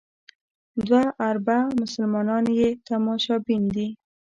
دوه اربه مسلمانان یې تماشبین دي.